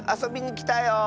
きたよ！